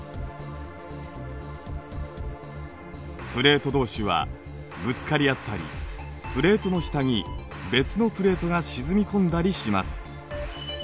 プレートどうしはぶつかりあったりプレートの下に別のプレートが沈み込んだりします。